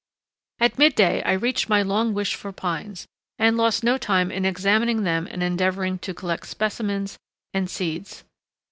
At midday I reached my long wished for pines, and lost no time in examining them and endeavoring to collect specimens and seeds.